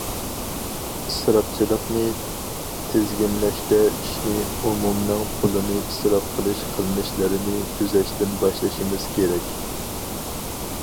ئىسراپچىلىقنى تىزگىنلەشتە ئىشنى ئومۇمنىڭ پۇلىنى ئىسراپ قىلىش قىلمىشلىرىنى تۈزەشتىن باشلىشىمىز كېرەك.